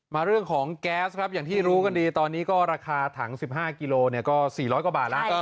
มาเรื่องของแก๊สครับอย่างที่รู้กันดีตอนนี้ก็ราคาถัง๑๕กิโลก็๔๐๐กว่าบาทแล้ว